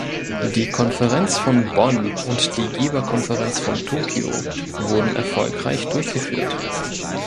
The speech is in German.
Die Konferenz von Bonn und die Geberkonferenz von Tokio wurden erfolgreich durchgeführt.